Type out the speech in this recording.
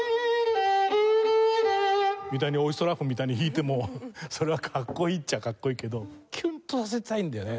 みたいにオイストラフみたいに弾いてもそれはかっこいいっちゃかっこいいけどキュンとさせたいんだよね。